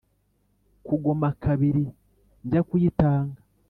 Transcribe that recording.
Kugoma kabiri njya kuyitanga